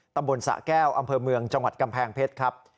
ตำบลสะแก้วอำเภอเมืองจังหวัดกำแพงเพชรครับ